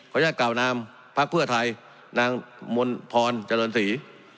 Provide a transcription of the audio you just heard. ของญาติเก่านามภักดิ์เพื่อไทยนางมณพรจรณศรี